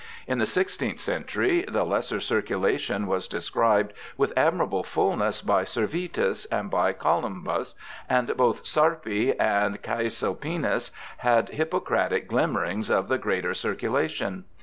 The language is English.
^ In the sixteenth century the lesser circulation was described with admirable fullness by Servetus and by Columbus, and both Sarpi and Caesalpinus had Hippocratic glimmerings of the greater circulation.